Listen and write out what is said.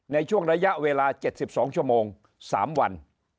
ในช่วงระยะเวลา๗๒ชั่วโมง๓วัน